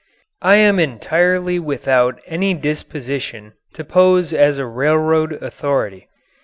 I am entirely without any disposition to pose as a railroad authority.